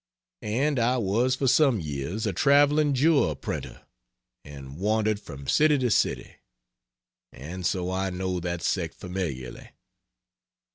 And I was for some years a traveling "jour" printer, and wandered from city to city and so I know that sect familiarly.